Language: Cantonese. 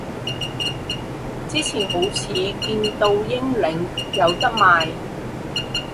之前好似見到英領有得賣